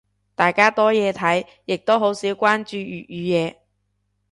大家多嘢睇，亦都好少關注粵語嘢。